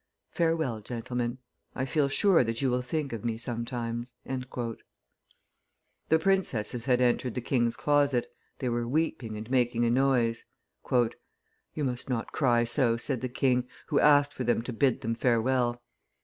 Farewell, gentlemen; I feel sure that you will think of me sometimes." The princesses had entered the king's closet; they were weeping and making a noise. "You must not cry so," said the king, who asked for them to bid them farewell.